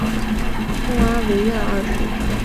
穆阿维亚二世。